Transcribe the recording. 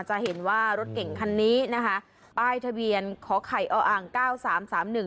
จะเห็นว่ารถเก่งคันนี้นะคะป้ายทะเบียนขอไข่ออ่างเก้าสามสามหนึ่ง